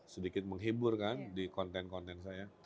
sedikit menghiburkan di konten konten